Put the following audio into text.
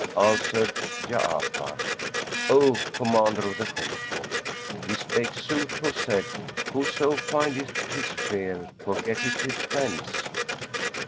Answered Ja'afar, "O Commander of the Faithful, he spake sooth who said, 'Whoso findeth his fere, forgetteth his friends.'"